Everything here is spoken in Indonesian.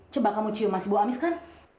coba kamu cium masih buah amis kan